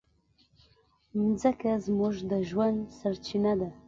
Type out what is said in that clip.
مځکه زموږ د ژوند سرچینه ده.